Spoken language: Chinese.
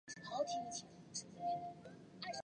满语名词分成单数和众数两种。